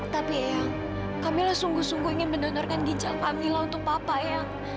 tapi eang kamila sungguh sungguh ingin mendonorkan ginjal kamila untuk papa yang